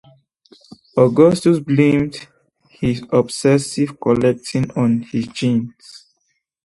Augustus blamed his obsessive collecting on his genes.